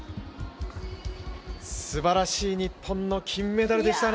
すばらしい日本の金メダルでしたね。